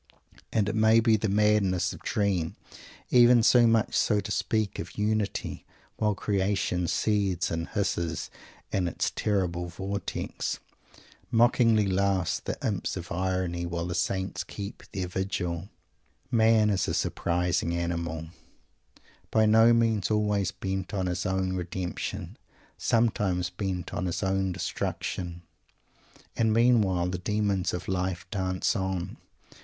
And it may be the madness of a dream even so much as to speak of "unity" while creation seethes and hisses in its terrible vortex. Mockingly laugh the imps of irony, while the Saints keep their vigil. Man is a surprising animal; by no means always bent on his own redemption; sometimes bent on his own destruction! And meanwhile the demons of life dance on.